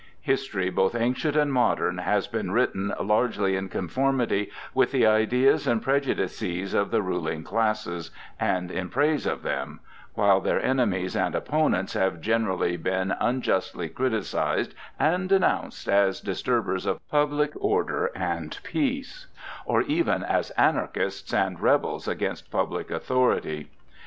History, both ancient and modern, has been written largely in conformity with the ideas and prejudices of the ruling classes, and in praise of them, while their enemies and opponents have generally been unjustly criticised and denounced as disturbers of public order and peace, or even as anarchists and rebels against public authority.